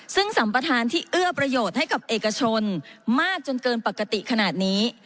ซึ่งสัมประธานที่เอื้อประโยชน์ให้กับเอกชนมากจนเกินปกติขนาดนี้